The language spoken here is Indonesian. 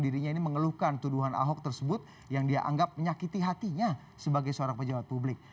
dirinya ini mengeluhkan tuduhan ahok tersebut yang dia anggap menyakiti hatinya sebagai seorang pejabat publik